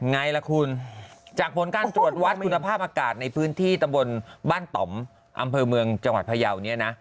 ไงล่ะคุณจากผลการตรวจวัดคุณภาพอากาศในพื้นที่ตำบลบ้านต่อมอำเภอเมืองจังหวัดพยาวเนี่ยนะ